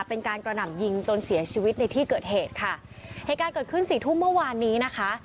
เป็นการกระหน่ำยิงจนเสียชีวิตในที่เกิดเหตุค่ะเหตุการณ์เกิดขึ้นสี่ทุ่มเมื่อวานนี้นะคะ